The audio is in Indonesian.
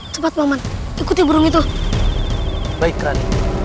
cepat maman ikuti burung itu baikkan